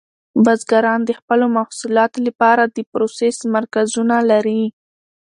بزګران د خپلو محصولاتو لپاره د پروسس مرکزونه لري.